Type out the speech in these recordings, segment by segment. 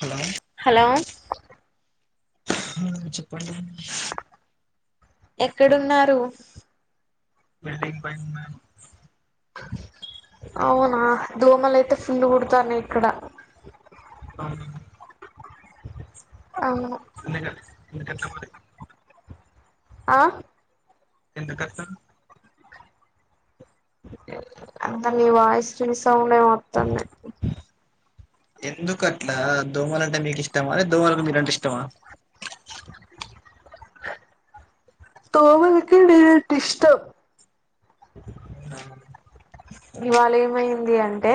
Hello hello చెప్పండి ఎక్కడున్నారు building పై ఉన్నాను అవునా దోమలైతే ఫుల్లు కుడుతానే ఇక్కడ అవును అవును ఎందుకండి ఎందుకట్ట మరి ఆ ఎందుకంత అంత నీ వాయిస్ చూస్ సౌండే మొత్తాన్నిే ఎందుకట్లా దోమలు అంటే మీకు ఇష్టం అే దోమలకు మీ రంటే ఇష్టం అత్తమ తోవుల్కి మీరంటే ఇష్టం ఇవాలేమైంది అంటే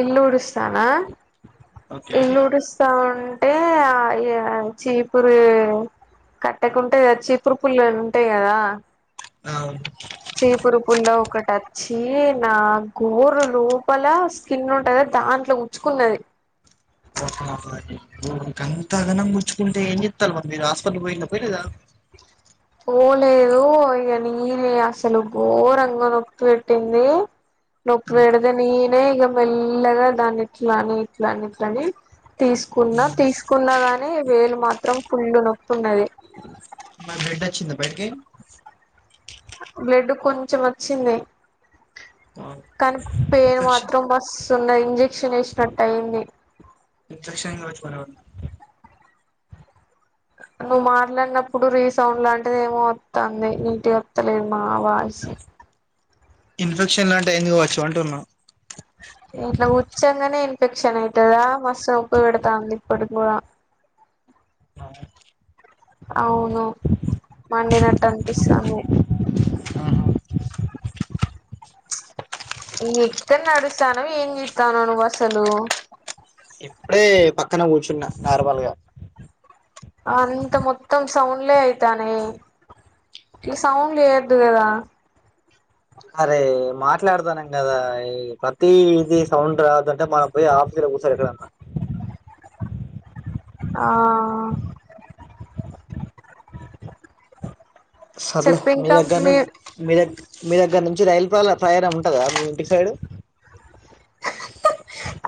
ఇల్లు ఉడుస్తాన ఓకే ఇల్లు ఉడుస్తా ఉం అంటే ఆ చీపురు కట్టకుంటె చీపురు పుల్లు ఉంటాయి కదా చీపురు పుల్లో ఒకటోచ్చి నా గోరు లోపల స్కిన్ ఉంటంది దాంట్లో ఉచ్చుకున్నది గంత గనం గుుచ్చుకుంటే ఏం చెత్తార్ మరి మీరు హాస్పిటల్ పోయిండ పోలేదా పోలేదు ఇక నీనే అసలు ఘోరంగ నొప్పి పెట్టింది నొప్పి పెడితే నేనే ఇక మెల్లగా దాన్ని ఇట్లని ఇట్లని ఇట్లని తీసుకున్నా తీసుకున్నాగానే వేలు మాత్రం ఫుల్లు నొప్పి ఉన్నది ఇప్పట్కి బ్లెడ్ కొంచం వచ్చింది కానీ పేయిన్ ఇన్ఫెక్షన్ మాత్రం మస్ ఉన్నాయి ఇంజెక్షన్ ఎసినట్టు అయింది. ఇంజక్షన్ వేపిచ్చుకోని నువ్వు మాట్లానప్పుడు రీసౌండ్ లాంటిది ఏమో వత్తాంది నీటిగా వత్తాలేదు మా వాయిసు. ఇన్ఫెక్షన్ లాంటి ఎందువచ్చు అంటున్నా ఇట్లా‌ కూర్చోగానే ఇన్ఫెక్షన్యితేదా మస్త్ నోప్పు పెడుతాంది ఇప్పుడి కూడా అ అవును మండినట్టు పంపిస్తాంది ఆ ఈ ఎక్కడ నడుస్తాను ఏం చెత్తాను నువ్వు అసలు ఎప్పుడే పక్కన కూర్చున్న నార్మల్గా అంత మొత్తం సౌండ్లే అయితానే ఈ సౌండ్లు ఎయోద్దు గదా అరే మర్ మాట్లాడతాన్నాం గదా ఈ ప్రతి ఇది సౌండ్ రావదుంటే మనం పోయి ఆఫీసులో కూర్చోవాలా ఎక్కడున్నా ఆ సర్లే చెప్పు మీ ఇంకా గనీ మీరే మీరే‌ గాని రైల్పాల ప్రయాణ ఉంటందా మీ ఇంటి సైడు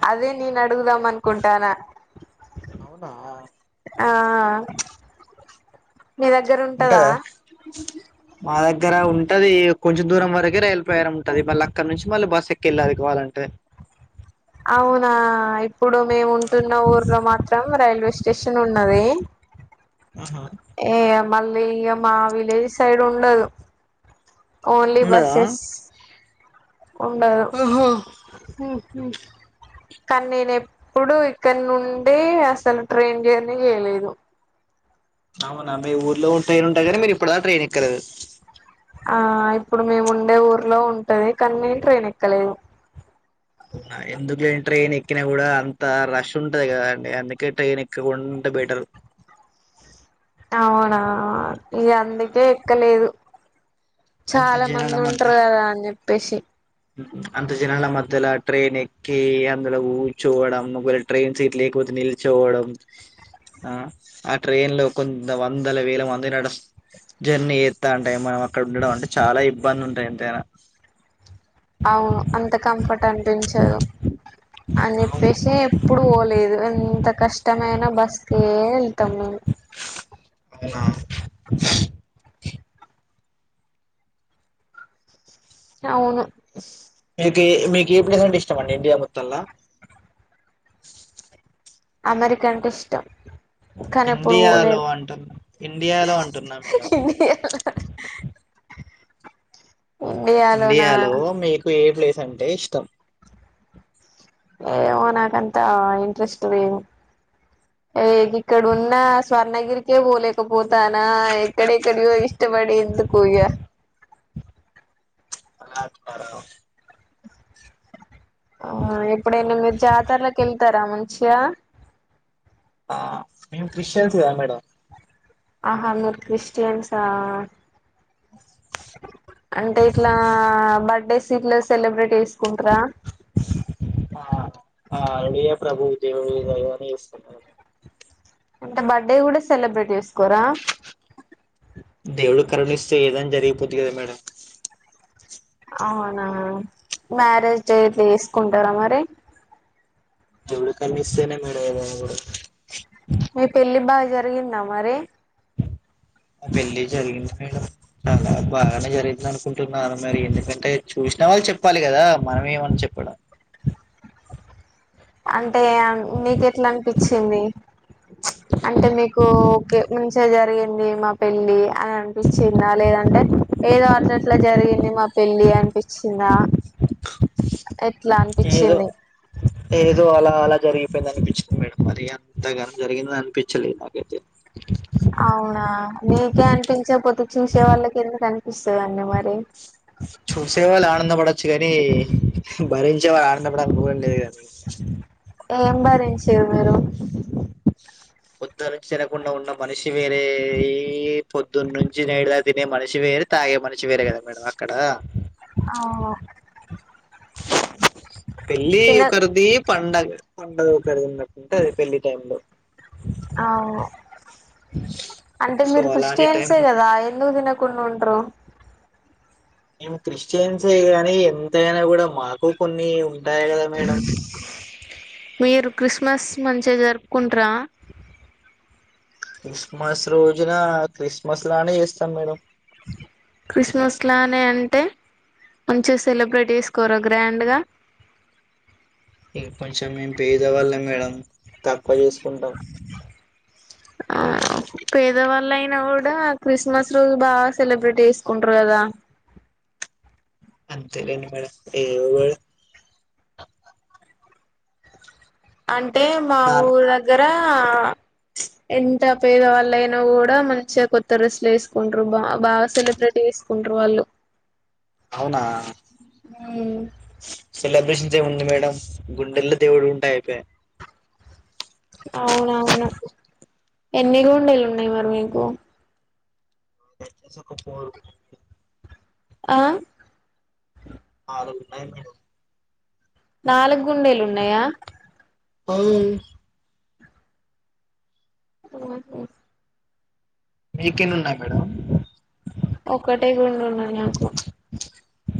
అదే నేను అ అడుగుదాం అనుకుంటానా అవునా ఆ మీ దగ్గర ఉంటదా మా దగ్గర ఉంటది కొంచెం దూరం వరకె రైలుపయానం ఉంటది. మళ్ళీ అక్కడ నుంచి మళ్ళీ బస్సు ఎక్కి వెళ్ళలి కావాలంటే. అవునా ఇప్పుడు మేము ఉంటున్నా ఊర్ లో మాత్రం రైల్వే స్టే శేషన్ ఉన్నది ఆహా ఏయం మళ్ళీ ఇగా మా విలేేజ్ సైడ్ ఉండదు. ఓన్లీ ఉండదా బస్సెస్ ఉండదు. హ్మ్మ్ హ్మ్మ్ కానీ నేను ఎప్పుడూ ఇక్కడ నుండి అసలు ట్రైన్ జర్నీ చేయలేదు. అవునా మీ ఊర్లో ట్రైన్ ఉంటాయి కానీ మీరు ఇప్పుడు ట్రైన్ ఎక్కలేదు. ఆ ఇప్పుడు మేము ఉండే ఊర్లో ఉంటది కానీ నేను ట్రైన్ ఎక్కలేదు. ఆ ఎందుకు ట్రైన్ ఎక్కినా కూడా అంత రష్ ఉంటది, కదండి అందుకే ట్రైన్ ఎక్కకుంటే బెటర్. అవునా ఇగా అందుకే ఎక్కలేదు అంత చాలా మంది ఉంటారు కదా అని చెప్పేసి అంతా జనాల మధ్యలా ట్రైన్ ఎక్కి అందులో గూర్చోవడం. ఒకవేళ ట్రైన్ సీట్ లేకపోతే నిల్చోవడం. ఆ ఆ ట్రైన్ లో కొ వందల వేల మంది నడ్స్ జర్నీ చేతాంటే, మనం అక్కడ ఉండడం అంటే చాలా ఇబ్బంది ఉంటాయి ఎంతైనా. అవును అంత కంఫర్ట్ అనిపించదు అని అవునా చెప్పేసి ఎప్పుడు పోలేదు, ఎంత కష్టమైనా బస్ కే వెళ్తాం మేము. అవునా అవును మీకు మీకు ఏ ప్లేస్ అంటే ఇష్టం అండి ఇండియా మొత్తంలా అమెరికా అంటే ఇష్టం కానీ ఎప్పుడు ఇండియాలో పోలేదు అంటున్న ఇండియాలో అంటున్నా మేడం ఇండియాలో ఇండియాలోనా ఇండియాలో మీకు ఏ ప్లేస్ అంటే ఇష్టం ఏమో నాకంతా ఇంట్రెస్ట్ లేవు ఏ ఇక్కడున్నా స్వర్ణగిరికే పోలేకపోతానా ఎక్కడెక్కడియో ఇష్టపడేందుకు ఇగ అట్లానా ఆ ఎప్పుడైనా మీరు జాతరలకి వెళ్తారా మ చ్చ ఆ మేము క్రిస్టియన్స్ కదా మేడం ఆహా మీరు క్రిస్టియన్సా అంటే ఇట్లా బర్డేస్ ఇట్ల సెలబ్రేట్ చేసుకుంట్రా ఆ అడియే ప్రభు దేవు [unintelligible] దైవని చేస్తున్నారు అంటే బర్త్డే కూడా సెలబ్రేట్ చేస్ కొరా దేవుడు కరుణిస్తే ఏదైనా జరిగిపొద్ది కదా మేడం అవునా మ్యారేజ్ డేట్లు తీసుకుంటారా మరి దేవుడు కరుణిస్తేనే మేడమ్ ఏదైనా కూడా మీ పెళ్ళి బాగా జరిగిందా మరి ఆ పెళ్ళి జరిగింది మేడం చాలా బాగానే జరిగింది అనుకుంటున్నాను మరి ఎందుకంటే చూసిన వాళ్ళు చెప్పాలి కదా మనం ఏమని చెప్పడం అంటే మీకు ఎట్లా అనిపించింది అంటే మీకు ఒకే మంచిగ జరిగింది మా పెళ్లి అని అనిపించిందా లేదంటే ఏదో అట్లట్లా జరిగింది మా పెళ్ళి అనిపించిందా ఎట్లా ఏదో అనిపించింది ఏదో అలా అలా జరిగిపోయింది అనిపించింది మేడం మరి అంతగానం జరిగిందని అనిపించలేదు నాకైతే అవునా నీకే అనిపించే పొద్దు చూసే వాళ్ళకెందు కని పుస్తకాన్ని మరి చూసే వాళ్ళు ఆనంద పడ [unintelligible] కాని భరించే వాళ్ళ ఆనందపడానికి కూడా లేదు క ఏం బారం చెరు మీరు పొద్దున నుంచి తినకుండా ఉన్న మనిషి వేరే ఈ పొద్దున్న నుంచి నేడులా తినే మనిషి వేరే తాగే మనిషి వేరే కదా మేడమ్ అక్కడ ఆ పెళ్లి ఒకరిది పండగ పండగ పెరిగినటుంటది పెళ్లి టైమ్ లో అవు అంటే సో మీరు అలాంటి టైమ్ క్రిస్టియన్సే లో కదా ఎందుకు తిన కుండా ఉంటరు మేం క్రిస్టియన్సే గాని ఎంతైనా కూడా మాకు కొన్ని ఉంటాయి కదా మేడం మీరు క్రిస్మస్ మంచిగా జరుపుకుంటర క్రిస్మస్ రోజున క్రిస్మస్ లానే చేస్తాం మేడం క్రిస్మస్లానే అంటే మంచిగా సెలబ్రేట్ చేసుకోర గ్రాండ్గా ఇ కొంచెం మేం పేదవాళ్ళం మేడం తక్ పోయి చేసుకుంటాం పేదవాళ్ళయినా కూడా క్రిస్మస్ రోజు బాగా సెలబ్రేట్ చేసుకుంటారు కదా అంతేలేండి మేడం ఏవో అంటే మా నాన్న ఊరు దగ్గర ఆ ఎంత పేద వాళ్ళయినా కూడా మంచిగా కొత్త డెస్లు వేసుకుంటారు బా బాగా సెలబ్రెటీ వేసుకుంటరు వాళ్ళు అవునా సెలబ్రేషన్స్ ఏముంది మేడం గుండెల్లో దేవుడు ఉంటే అయిపా అవునవును ఎన్ని గుండెలు ఉన్నాయి మరి మీకు [inaudible] ఆ నాలుగు ఉన్నాయి మేడం నాలుగు గుండెలు ఉన్నాయా అవును ఆహ మీకేన్ని ఉన్నాయి మేడం ఒక్కటే గుండే ఉంది నాకు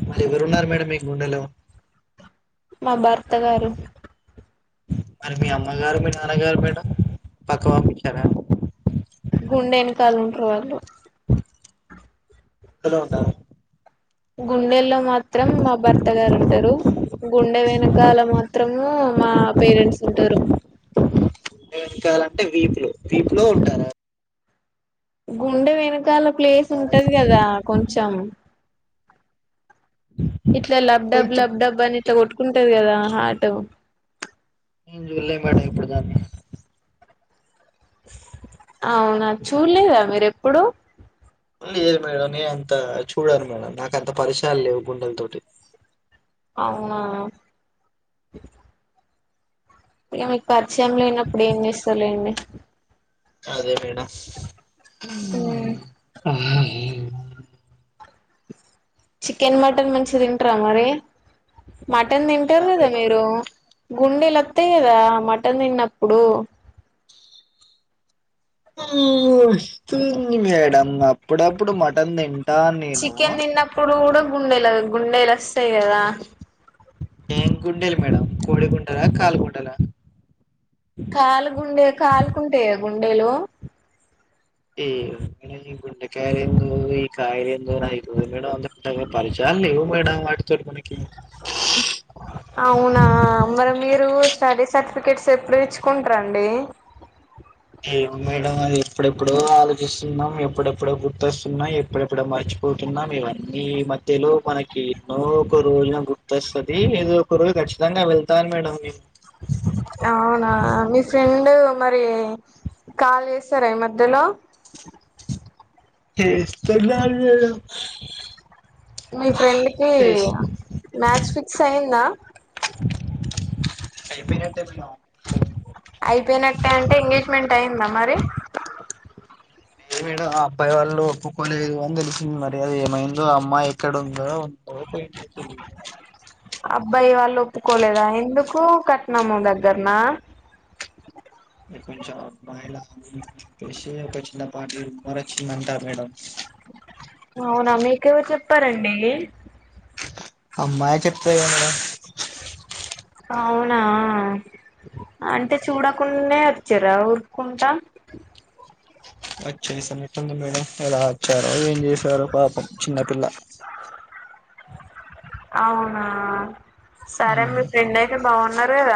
మరి ఎవరున్నారు మేడం మీ గుండెలో మా భర్త గారు మరి మీ అమ్మగారు మీ నాన్నగారు మేడం పక్క పంపించారా తల్ ఉంటురు వాళ్ళు కడ ఉంటాదా గుండెల్లో మాత్రం మా భర్త గారు ఉంటారు గుండె వెనకాల మాత్రము మా పేరెంట్స్ ఉంటారు ఎనకాాలంటే వీపులు వీపులో ఉంటారా గుండె వెను కాల ప్లేస్ ఉంటది కదా కొంచం ఇట్లే లబ్ డబ్ కొంచెం లబ్ డబ్ బని ఇట్లా కొట్టుకుంటారు కదా హాటు ఏ జూలే మేడం ఇప్పుడుదాన్ని అవునా చూడలేదా మీరు ఎప్పుడు లేదు మేడం నేను అంత చూడను మేడం నాకు అంత పరిచయాలు లేవు గుండెల తోటి అవునా ఏ మీ ప చం లేనప్పుడు ఏం చేస్తరులేండి అదే మేడమ్ ఉమ్, అ చికెన్ మటన్ మంచిగా తింటరా మరి మటన్ తింటారు మీరా కదా మేడం మీరు గుండెలోత్తాయి కదా మటన్ తిన్నప్పుడు వస్తుంది మేడమ్ అప్పుడప్పుడు మటన్ తిం చికెన్ తిన్నప్పుడు కూడా గుండెలు గుండెలస్తాయి కదా ఏం గుండెలు మేడమ్ కోడి గుండల కాల్ గుండలా కాలుగుండే కాలుకుంట గుండేలు ఈ గుండెకాయాలేందో ఈ కాయలేండో నాకు తెలువదు మేడం నాకు పరిచయాలు లేవు మేడం వాటితోటి మనకి అవునా మరి మీరు స్టడీస్ సర్టిఫికెట్స్ ఎప్పుడు తేచ్చుకుంటారండి ఏమి మేడం అది ఎప్పుడెప్పుడో ఆలోచిస్తున్నాం ఎప్పుడెప్పుడో గుర్తొస్తున్నాయి ఎప్పుడెప్పుడో మర్చిపోతున్నాం ఇవన్నీ మధ్యలో మనకి ఎన్నో ఒక రోజున గుర్తొస్తుంది ఏదో ఒక రోజు కచ్చితంగా వెళ్తాను మేడం మేము అవునా మీ ఫ్రెండ్ మరి కాల్ చేస్తారా ఈ మధ్యలో చేస్తారు మేడమ్ మీ ఫ్రెండ్ కి మ్యాచ్ ఫిక్స్ అయిందా అయిపోయినట్టే అయిపోయినట్టే అంటే ఎంగేజ్మెంట్ అయిందా మరి ఏ మేడ ఆ అబ్బాయి వాళ్ళు ఒప్పుకోలేదు అని తెలిసింది మరి అది ఏమైందో ఆ అమ్మాయి ఎక్కడందో ఉందో పోయిందో తెలీదు అబ్బాయి వాళ్ళు ఒప్పు కోలేదా ఎందుకు క ట్నం దగ్గరనా కొంచెం అబ్బాయిలాకి ఒక చిన్న పాటి ఉమ్మర్ వచ్చిందంటా మేడం అవునా మీకెవరు చెప్పారండి అమ్మాయి చెప్తాడి కానీ మేడం అవునా మేడం అంటే చూడకుండానే చిరా ఊరుకుంటా వచ్చేస ఇటుంది మేడం ఎలా వచ్చారు ఏం చేసారో పాపం చిన్నపిల్ల అవునా సరే మీ ఫ్రెండ్ అయితే బాగున్నా న్నరుకద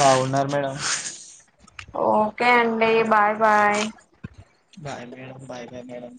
బాగున్నారు మేడం ఓకే అండి bye bye bye madam bye bye madam